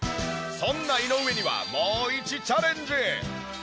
そんな井上にはもう１チャレンジ。